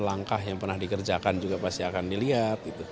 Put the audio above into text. langkah yang pernah dikerjakan juga pasti akan dilihat